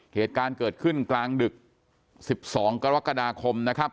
เหตุการณ์เกิดขึ้นกลางดึก๑๒กรกฎาคมนะครับ